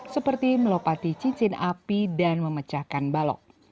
seperti melopati cincin api dan memecahkan balok